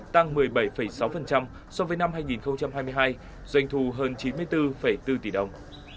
tăng một mươi bảy sáu so với năm hai nghìn hai mươi hai doanh thù hơn chín mươi bốn bốn tỷ đồng